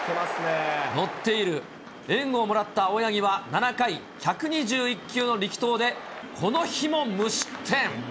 乗っている、援護をもらった青柳は、７回、１２１球の力投でこの日も無失点。